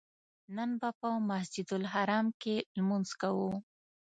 نن به په مسجدالحرام کې لمونځ کوو.